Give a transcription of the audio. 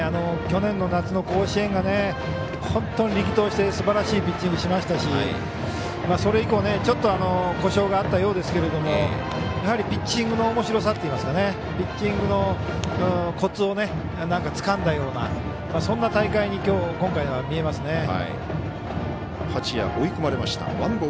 去年の夏の甲子園が本当に力投してすばらしいピッチングしましたしそれ以降、ちょっと故障があったようですけれどもやはりピッチングのおもしろさといいますかピッチングのコツをつかんだようなそんな大会に今回は見えますね。